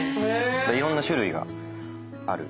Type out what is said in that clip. いろんな種類がある。